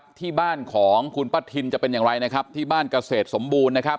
ปกติพี่สาวเราเนี่ยครับเป็นคนเชี่ยวชาญในเส้นทางป่าทางนี้อยู่แล้วหรือเปล่าครับ